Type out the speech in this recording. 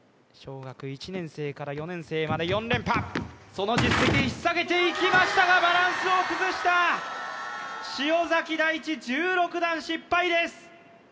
小学１年生から４年生まで４連覇その実績引っさげていきましたがバランスを崩した塩太智１６段失敗です